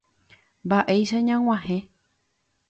Mba'éicha ñag̃uahẽ.